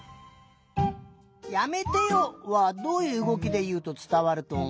「やめてよ」はどういううごきでいうとつたわるとおもう？